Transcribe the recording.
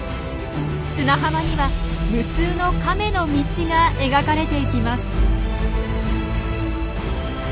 砂浜には無数のカメの道が描かれていきます。